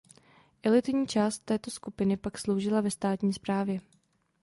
Elitní část této skupiny pak sloužila ve státní správě.